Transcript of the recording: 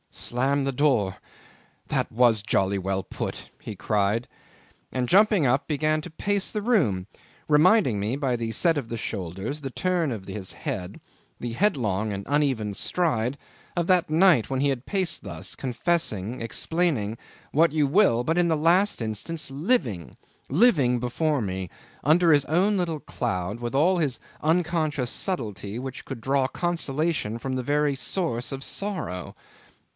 . "Slam the door that was jolly well put," he cried, and jumping up, began to pace the room, reminding me by the set of the shoulders, the turn of his head, the headlong and uneven stride, of that night when he had paced thus, confessing, explaining what you will but, in the last instance, living living before me, under his own little cloud, with all his unconscious subtlety which could draw consolation from the very source of sorrow.